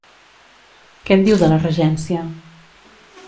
Què en diu de la regència?